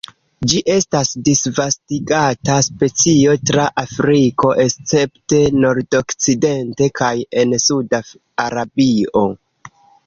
Ĝi estas disvastigata specio tra Afriko, escepte nordokcidente kaj en suda Arabio.